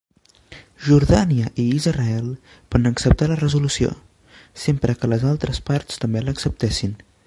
Jordània i Israel van acceptar la resolució, sempre que les altres parts també l'acceptessin.